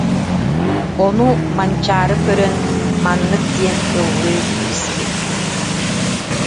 Ону Манчаары көрөн, маннык диэн ыллыы испит